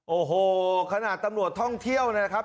โอ้โหขนาดตำรวจท่องเที่ยวนะครับ